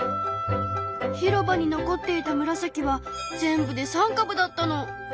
広場に残っていたムラサキは全部で３かぶだったの。